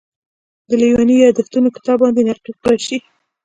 د لېوني یادښتونو کتاب باندې نقیب قریشي.